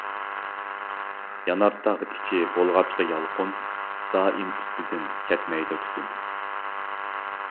يانار تاغ ئىچى بولغاچقا يالقۇن، دائىم ئۈستىدىن كەتمەيدۇ تۈتۈن.